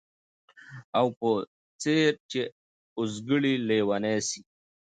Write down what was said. او په څېر چي د اوزګړي لېونی سي